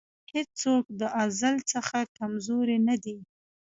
هېڅوک د ازل څخه کمزوری نه دی.